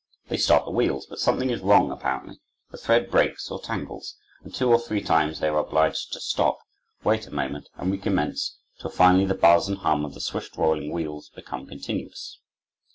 They start the wheels, but something is wrong apparently; the thread breaks or tangles, and two or three times they are obliged to stop, wait a moment, and recommence, till finally the buzz and hum of the swift rolling wheels become continuous.